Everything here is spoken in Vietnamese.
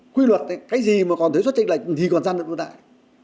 quy luật cái gì mà còn thuế xuất tranh lệch thì còn gian lận thương mại